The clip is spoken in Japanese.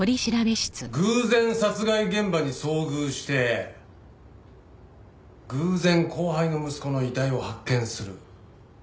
偶然殺害現場に遭遇して偶然後輩の息子の遺体を発見する。